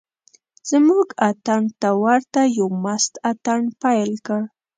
زموږ اتڼ ته ورته یو مست اتڼ پیل کړ.